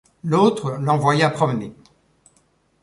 L’autre l’envoya promener.